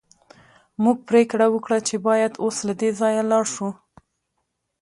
موږ پریکړه وکړه چې باید اوس له دې ځایه لاړ شو